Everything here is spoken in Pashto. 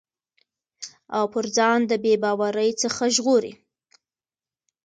او پر ځان د بې باورٸ څخه ژغوري